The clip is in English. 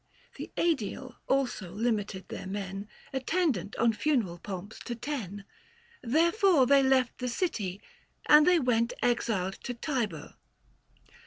800 The iEdile also limited their men Attendant on funereal pomps to ten ; Therefore they left the city, and they went Exiled to Tibur.